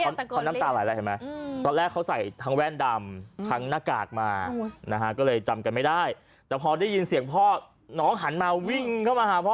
น้องลิยังตะกดลิ้งเขาน้ำตาหลายแล้วเห็นไหม